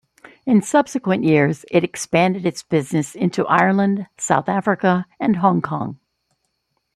In subsequent years, it expanded its business into Ireland, South Africa, and Hong Kong.